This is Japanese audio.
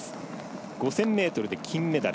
５０００ｍは金メダル。